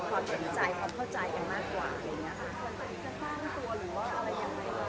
ความเห็นใจความเข้าใจกันมากกว่าเลยนะคะ